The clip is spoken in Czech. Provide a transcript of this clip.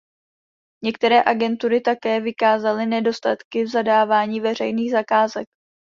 Některé agentury také vykázaly nedostatky v zadávání veřejných zakázek.